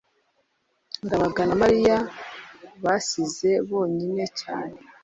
ndabaga na mariya basize bonyine cyane